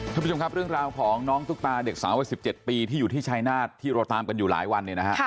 สวัสดีค่ะเรื่องราวของน้องตุ๊กตาเด็กสาว๑๗ปีที่อยู่ที่ชายนาฏที่เราตามกันอยู่หลายวัน